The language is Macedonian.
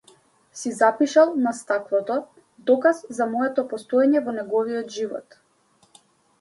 Си запишал на стаклото, доказ за моето постоење во неговиот живот.